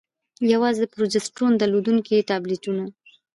يوازې د پروجسترون درلودونكي ټابليټونه: